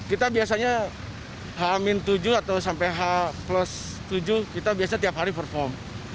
kita biasanya h tujuh atau sampai h tujuh kita biasanya tiap hari perform